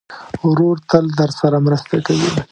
ورور تل درسره مرسته کوي.